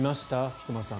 菊間さん。